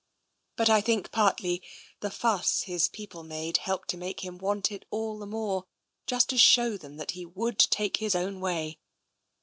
But I think, partly, the fuss his people made helped to make him want it all the more, just to show them that he would take his own way.